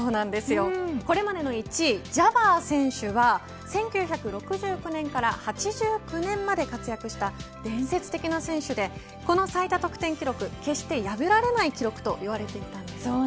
これまでの１位ジャバー選手は１９６９年から８９年まで活躍した伝説的な選手でこの最多得点記録決して破られない記録といわれていたんです。